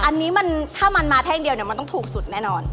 อันนี้ถ้ามันมาแท่งเดียวเนี่ยมันต้องถูกสุดแน่นอน